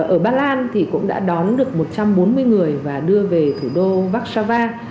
ở ba lan thì cũng đã đón được một trăm bốn mươi người và đưa về thủ đô váksava